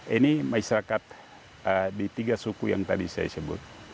ini masyarakat di tiga suku yang tadi saya sebut